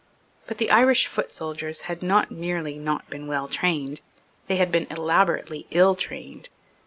But the Irish foot soldiers had not merely not been well trained; they had been elaborately ill trained.